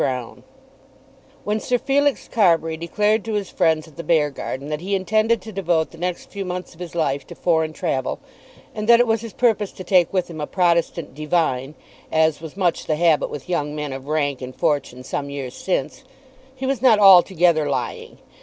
BROUNE. When Sir Felix Carbury declared to his friends at the Beargarden that he intended to devote the next few months of his life to foreign travel, and that it was his purpose to take with him a Protestant divine, as was much the habit with young men of rank and fortune some years since, he was not altogether lying.